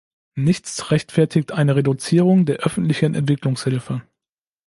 Nichts rechtfertigt eine Reduzierung der öffentlichen Entwicklungshilfe.